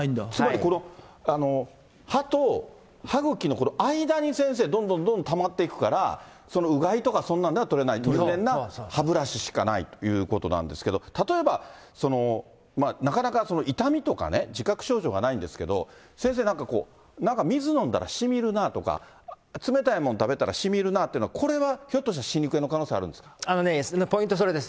つまり、歯と歯ぐきの間に先生、どんどんどんどんたまっていくから、うがいとかそんなんでは取れない、入念な歯ブラシしかないということなんですけれども、例えば、なかなか痛みとかね、自覚症状がないんですけれども、先生なんかこう、水飲んだらしみるなとか、冷たいもの食べたらしみるなというのは、これはひょっとしたら歯肉炎の可能性ありますんポイントはそれです。